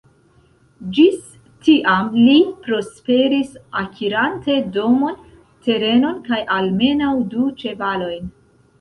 Ĝis tiam li prosperis, akirante domon, terenon kaj almenaŭ du ĉevalojn.